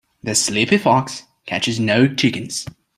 The sleepy fox catches no chickens.